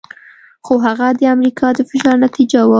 خو هغه د امریکا د فشار نتیجه وه.